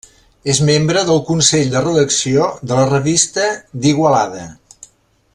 És membre del consell de redacció de la Revista d'Igualada.